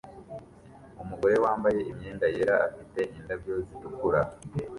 Umugore wambaye imyenda yera afite indabyo zitukura